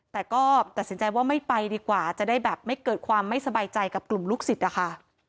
แต่ก็ตัดสินใจว่าไม่ไปดีกว่าจะได้แบบไม่เกิดความไม่สบายใจกับกลุ่มลูกศิษย์นะคะ